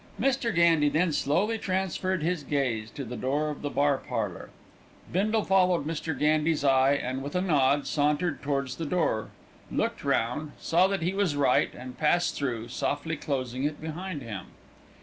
Mr. Gandy then slowly transferred his gaze to the door of the bar parlour. Bindle followed Mr. Gandy's eye, and with a nod, sauntered towards the door, looked round, saw that he was right and passed through, softly closing it behind him.